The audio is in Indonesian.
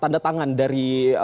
tanda tangan dari